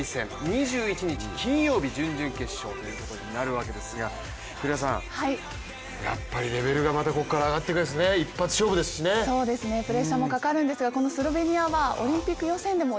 ２１日金曜日、準々決勝ということになるわけですがやっぱりレベルがここから上がってくるんですね、一発勝負ですしねプレッシャーもかかるんですが、このスロベニアはオリンピック予選でも